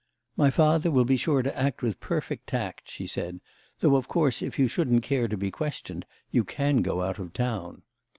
"My father will be sure to act with perfect tact," she said; "though of course if you shouldn't care to be questioned you can go out of town."